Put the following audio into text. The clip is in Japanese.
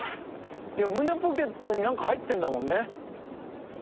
胸ポケットに何か入ってんだもんね？